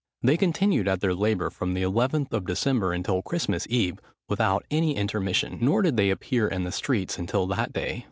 They continued at their labour from the 11th of December until Christmas eve, without any intermission. Nor did they appear in the streets until that day.